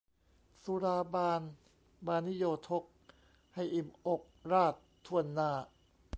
สุราบานบานิโยทก ให้อิ่มอกราษฎร์ถ้วนหน้า